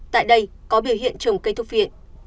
tại đây có biểu hiện trồng cây thúc viện